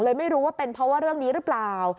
ไม่รู้ว่าเป็นเพราะว่าเรื่องนี้หรือเปล่า